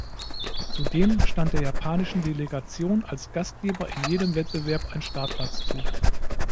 Zudem stand der japanischen Delegation als Gastgeber in jedem Wettbewerb ein Startplatz zu.